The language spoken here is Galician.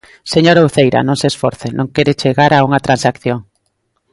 Señora Uceira, non se esforce, non quere chegar a unha transacción.